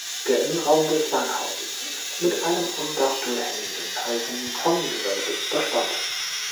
Der Innenraum des Langhauses ist mit einem am Dachstuhl hängenden hölzernen Tonnengewölbe überspannt.